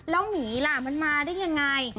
แล้วหมีล่ะมันมาได้ยังไง